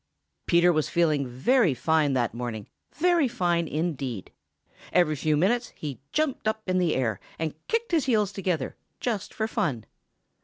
Peter was feeling very fine that morning, very fine indeed. Every few minutes he jumped up in the air, and kicked his heels together, just for fun.